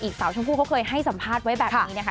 สาวชมพู่เขาเคยให้สัมภาษณ์ไว้แบบนี้นะคะ